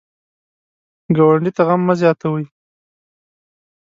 ګاونډي ته غم مه زیاتوئ